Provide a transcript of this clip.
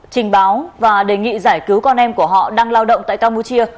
trình báo và đề nghị giải cứu con em của họ đang lao động tại campuchia